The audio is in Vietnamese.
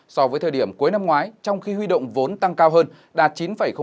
so với thời điểm cuối năm ngoái trong khi huy động vốn tăng cao hơn đạt chín bảy